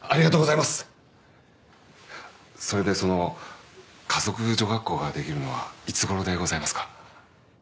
それでその華族女学校ができるのはいつ頃でございますか？